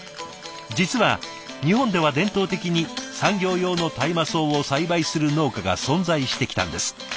実は日本では伝統的に産業用の大麻草を栽培する農家が存在してきたんです。